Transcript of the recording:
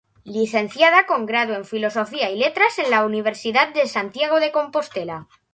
Licenciada con Grado en Filosofía y Letras en la Universidad de Santiago de Compostela.